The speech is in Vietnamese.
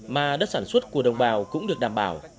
mà đất sản xuất của đồng bào cũng được đảm bảo